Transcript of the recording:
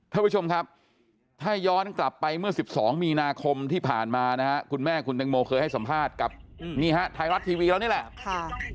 ท่านผู้ชมครับถ้าย้อนกลับไปเมื่อ๑๒มีนาคมที่ผ่านมานะฮะคุณแม่คุณแตงโมเคยให้สัมภาษณ์กับนี่ฮะไทยรัฐทีวีแล้วนี่แหละ